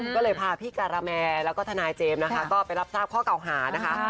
ก็เลยพาพี่การาแมแล้วก็ทนายเจมส์นะคะก็ไปรับทราบข้อเก่าหานะคะ